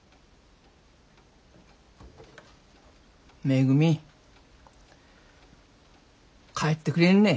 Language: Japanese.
めぐみ帰ってくれんね。